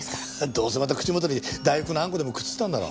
どうせまた口元に大福のあんこでもくっついてたんだろ？